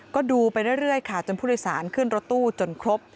ก็ดูไปเรื่อยค่ะจนผู้โดยสารขึ้นรถตู้จนครบ